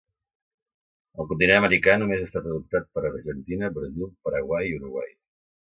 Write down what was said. Al continent americà només ha estat adoptat per Argentina, Brasil, Paraguai i Uruguai.